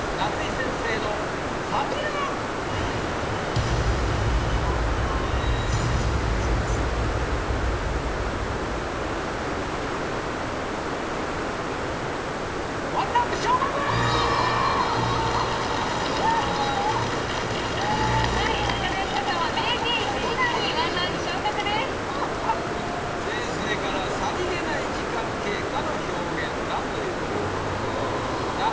先生から「さりげない時間経過の表現」だということでございました。